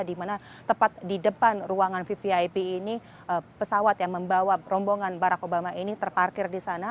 di mana tepat di depan ruangan vvip ini pesawat yang membawa rombongan barack obama ini terparkir di sana